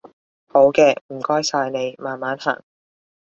好嘅，唔該晒你，慢慢行